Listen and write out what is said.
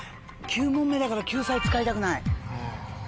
９問目だから救済使いたくない。